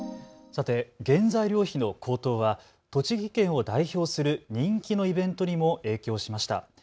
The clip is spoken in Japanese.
さて、原材料費の高騰は栃木県を代表する人気のイベントにも影響しました。